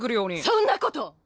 そんなこと！